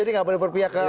jadi gak boleh berpihak ke